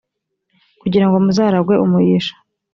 kugira ngo muzaragwe umugisha